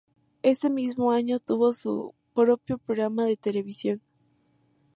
Ese mismo año tuvo su propio programa televisivo.